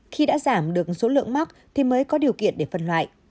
khi đã giảm được số lượng mắc thì mới có điều kiện để phân loại